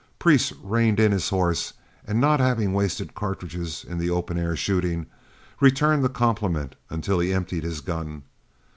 Priest reined in his horse, and not having wasted cartridges in the open air shooting, returned the compliment until he emptied his gun.